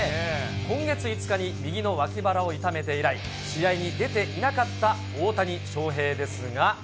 今月５日に右の脇腹を痛めて以来、試合に出ていなかった大谷翔平ですが。